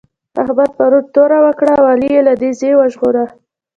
احمد پرون توره وکړه او علي يې له نېزه وژغوره.